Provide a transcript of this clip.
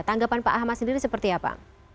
tanggapan pak ahmad sendiri seperti apa